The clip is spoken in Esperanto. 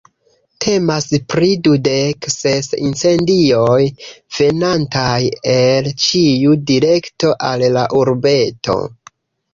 Temas pri dudek ses incendioj venantaj el ĉiu direkto al la urbeto.